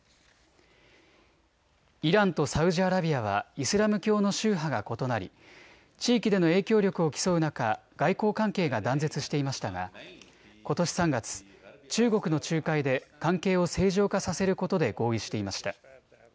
イランとサウジアラビアはイスラム教の宗派が異なり地域での影響力を競う中、外交関係が断絶していましたがことし３月、中国の仲介で関係を正常化させることで合意していました。